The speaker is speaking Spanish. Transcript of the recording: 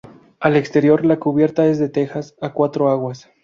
Al exterior la cubierta es de tejas a cuatro aguas.